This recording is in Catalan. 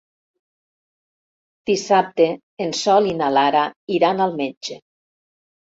Dissabte en Sol i na Lara iran al metge.